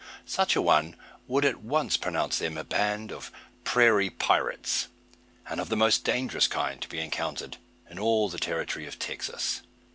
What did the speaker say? Such an one would at once pronounce them a band of prairie pirates, and of the most dangerous kind to be encountered in all the territory of Texas.